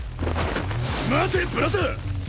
待てブラザー！